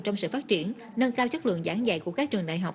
trong sự phát triển nâng cao chất lượng giảng dạy của các trường đại học